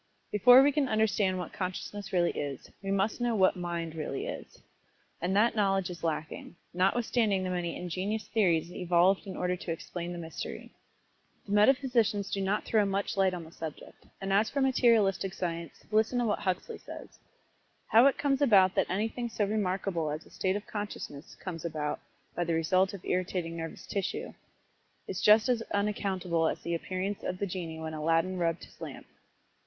Before we can understand what Consciousness really is, we must know just what "Mind" really is and that knowledge is lacking, notwithstanding the many injenious theories evolved in order to explain the mystery. The metaphysicians do not throw much light on the subject, and as for materialistic science, listen to what Huxley says: "How it comes about that anything so remarkable as a state of consciousness comes about by the result of irritating nervous tissue, is just as unaccountable as the appearance of the genie when Aladdin rubbed his lamp."